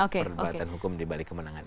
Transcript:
perdebatan hukum di balik kemenangan ini